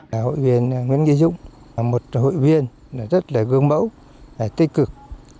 hội viên nguyễn nghĩa dũng là một hội viên rất gương mẫu tích cực